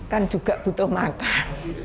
kan juga butuh makan